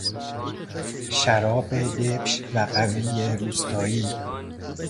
شراب دبش و قوی روستایی